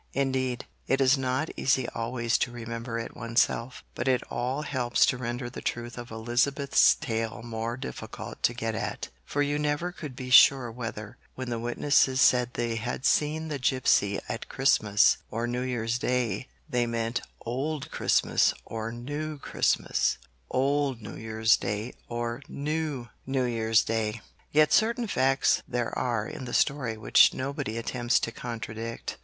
Indeed, it is not easy always to remember it oneself, but it all helps to render the truth of Elizabeth's tale more difficult to get at, for you never could be sure whether, when the witnesses said they had seen the gipsy at Christmas or New Year's Day, they meant Old Christmas or New Christmas, old New Year's Day or new New Year's Day. Yet certain facts there are in the story which nobody attempts to contradict.